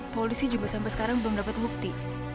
polisi juga sampe sekarang belum dapet bukti